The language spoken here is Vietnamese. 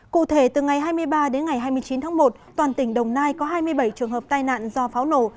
cụ thể từ ngày hai mươi ba đến ngày hai mươi chín tháng một toàn tỉnh đồng nai có hai mươi bảy trường hợp tai nạn do pháo nổ